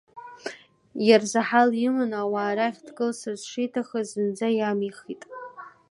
Иарзаҳал иманы ауаа рахь дкылсырц шиҭахыз зынӡа иамихит.